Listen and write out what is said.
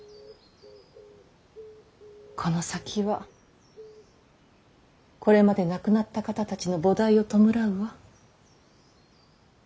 この先はこれまで亡くなった方たちの菩提を弔うわ。